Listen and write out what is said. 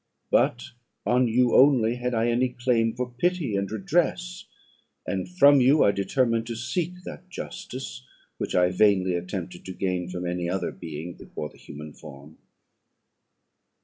But on you only had I any claim for pity and redress, and from you I determined to seek that justice which I vainly attempted to gain from any other being that wore the human form.